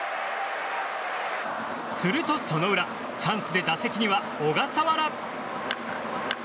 すると、その裏チャンスで打席には小笠原。